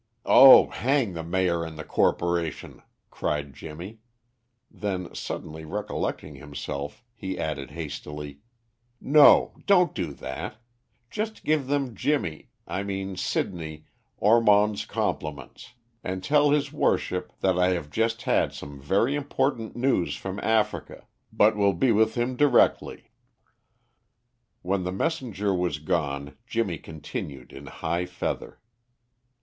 "Oh, hang the Mayor and the Corporation!" cried Jimmy; then, suddenly recollecting himself, he added, hastily, "No, don't do that. Just give them Jimmy I mean Sidney Ormond's compliments, and tell his Worship that I have just had some very important news from Africa, but will be with him directly." When the messenger was gone Jimmy continued in high feather.